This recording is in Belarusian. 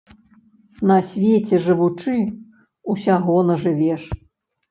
На свеце жывучы, усяго нажывеш.